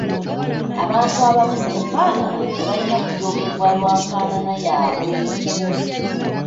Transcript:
Abantu ababi mu nfaanana tebalina kujoogebwa lwa nfaanana yaabwe.